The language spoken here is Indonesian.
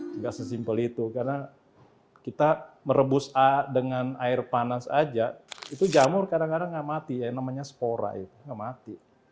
nggak sesimpel itu karena kita merebus dengan air panas aja itu jamur kadang kadang nggak mati yang namanya spora itu nggak mati